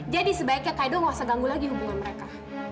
jadi sebaiknya kak edo gak usah ganggu lagi hubungan mereka